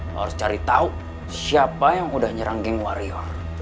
lo harus cari tau siapa yang udah nyerang geng warrior